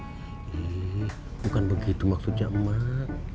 ih bukan begitu maksudnya mak